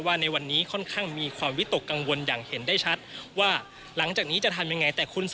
ในวันนี้ค่อนข้างมีความวิตกกังวลอย่างเห็นได้ชัดว่าหลังจากนี้จะทำยังไงแต่คุณ